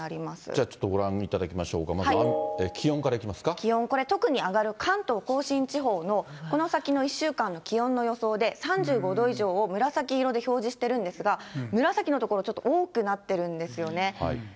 じゃあちょっとご覧いただきましょうか、まずは、気温からい気温、特に上がる関東甲信地方のこの先の１週間の気温の予想で、３５度以上を紫色で表示しているんですが、紫の所、ちょっと多くなってるんですよね。